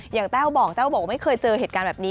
แต้วบอกแต้วบอกไม่เคยเจอเหตุการณ์แบบนี้